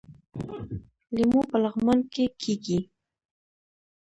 لیمو په لغمان کې کیږي